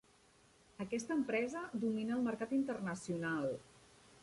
Aquesta empresa domina el mercat internacional.